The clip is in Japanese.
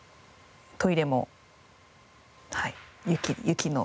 トイレもはい雪の。